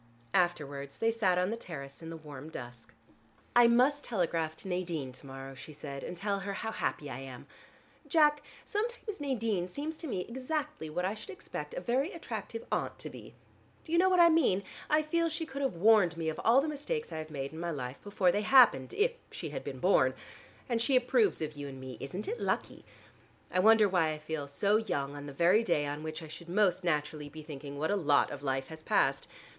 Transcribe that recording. Afterwards, they sat on the terrace in the warm dusk. "I must telegraph to Nadine to morrow," she said, "and tell her how happy I am. Jack, sometimes Nadine seems to me exactly what I should expect a very attractive aunt to be. Do you know what I mean? I feel she could have warned me of all the mistakes I have made in my life, before they happened, if she had been born. And she approves of you and me; isn't it lucky? I wonder why I feel so young on the very day on which I should most naturally be thinking what a lot of life has passed.